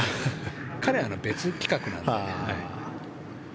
彼は別規格なので。